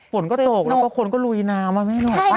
ฝนก็โตกแล้วคนก็ลุยน้ำ